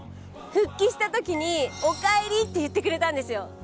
復帰したときに「おかえり」って言ってくれたんですよ。